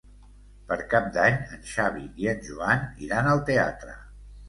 Per Cap d'Any en Xavi i en Joan iran al teatre.